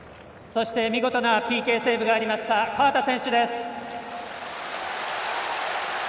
そして見事なＰＫセーブがありました河田選手です。